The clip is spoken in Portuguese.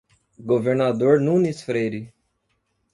Governador Nunes Freire